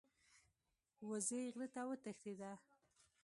وزې غره ته وتښتیده.